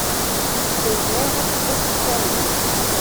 Ur bɣiɣ ad tedduḍ deg taluft.